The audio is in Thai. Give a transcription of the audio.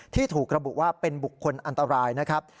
ถูกระบุว่าเป็นบุคคลอันตรายนะครับ